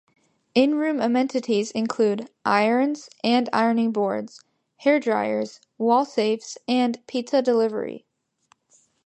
In-room amenities include irons and ironing boards, hairdryers, wall safes, and pizza delivery.